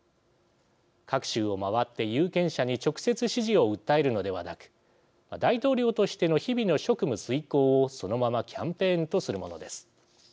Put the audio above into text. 各州を回って有権者に直接支持を訴えるのではなく大統領としての日々の職務遂行をそのままキャンペーンとするものです。